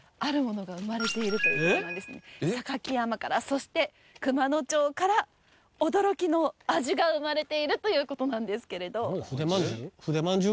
榊山からそして熊野町から驚きの味が生まれているということなんですけれど筆まんじゅう？